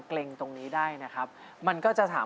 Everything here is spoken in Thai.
เสียบตรงนี้อ้อยสุดอีรี